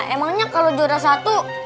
emangnya kalau juara satu